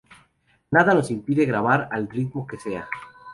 Nada nos impide grabar al ritmo que sea.